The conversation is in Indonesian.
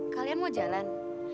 kalian mau jalan